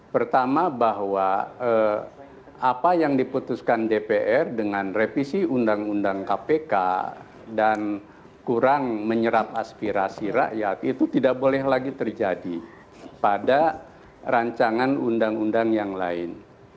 pertama bahwa apa yang diputuskan dpr dengan revisi undang undang kpk dan kurang menyerap aspirasi rakyat itu tidak boleh lagi terjadi pada rancangan undang undang yang lain